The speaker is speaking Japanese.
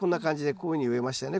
こういうふうに植えましたよね